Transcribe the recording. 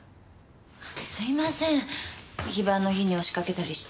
すいません非番の日に押しかけたりして。